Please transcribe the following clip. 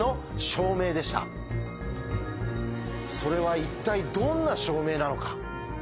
それは一体どんな証明なのか？